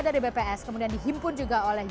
dari bps kemudian dihimpun juga oleh